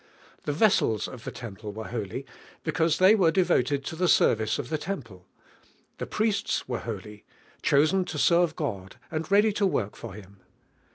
The vessels of the temple were holy, because they were de voted to the service of the temple; the priests were holy, cluisen to serve God and ready to work for Him.